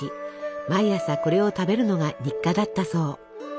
毎朝これを食べるのが日課だったそう。